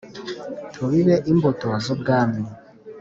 Tubibe imbuto z’Ubwami.